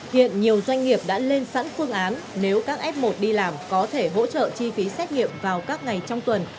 hiện nhiều doanh nghiệp đã lên sẵn phương án nếu các f một đi làm có thể hỗ trợ chi phí xét nghiệm vào các ngày trong tuần